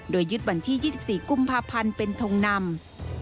โดยยึดวันที่๒๔กุมภาพันธ์เป็นทงนำ